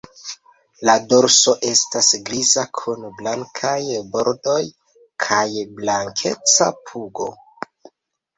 La dorso estas griza kun blankaj bordoj kaj blankeca pugo.